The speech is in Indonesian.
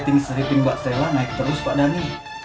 rating seripin mbak srela naik terus pak dhani